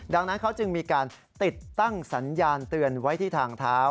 ดังนั้นเขาจึงมีการติดตั้งสัญญาณเตือนไว้ที่ทางเท้า